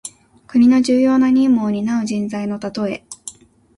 国の重要な任務をになう人材のたとえ。